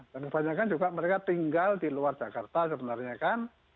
dan kebanyakan juga mereka tinggal di luar jakarta sebenarnya kan